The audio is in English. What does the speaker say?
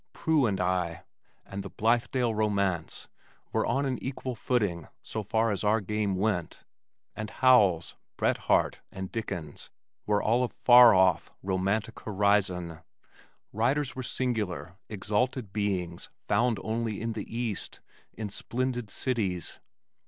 Prue and I and The Blithedale Romance were on an equal footing, so far as our game went, and Howells, Bret Harte and Dickens were all of far off romantic horizon. Writers were singular, exalted beings found only in the East in splendid cities.